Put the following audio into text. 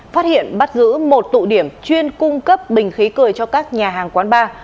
phát hiện bắt giữ một tụ điểm chuyên cung cấp bình khí cười cho các nhà hàng quán bar